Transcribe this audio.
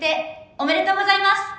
おめでとうございます！